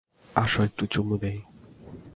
আসো একটু চুমু দিই।